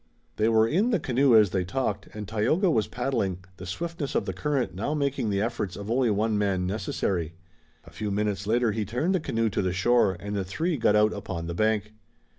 They were in the canoe as they talked and Tayoga was paddling, the swiftness of the current now making the efforts of only one man necessary. A few minutes later he turned the canoe to the shore and the three got out upon the bank.